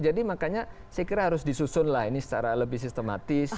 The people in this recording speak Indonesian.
jadi makanya saya kira harus disusun lah ini secara lebih sistematis